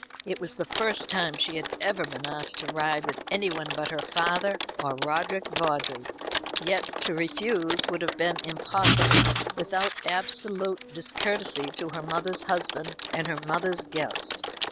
It was the first time she had ever been asked to ride with anyone but her father or Roderick Vawdrey. Yet to refuse would have been impossible, without absolute discourtesy to her mother's husband and her mother's guest.